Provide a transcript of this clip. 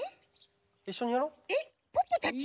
えっポッポたちも？